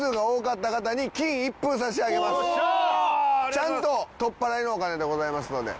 ちゃんととっぱらいのお金でございますので。